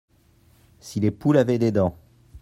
si les poules avaient des dents.